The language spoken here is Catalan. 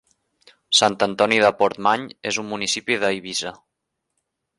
Sant Antoni de Portmany és un municipi d'Eivissa.